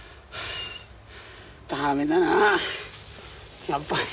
駄目だなやっぱり。